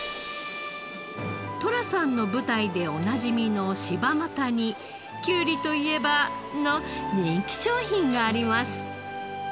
寅さんの舞台でおなじみの柴又にきゅうりといえばの人気商品があります。